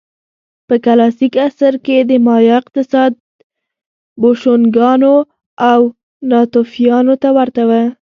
په کلاسیک عصر کې د مایا اقتصاد بوشونګانو او ناتوفیانو ته ورته و